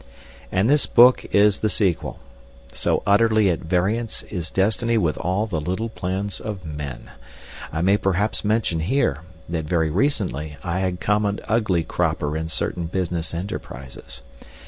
And this book is the sequel. So utterly at variance is destiny with all the little plans of men. I may perhaps mention here that very recently I had come an ugly cropper in certain business enterprises.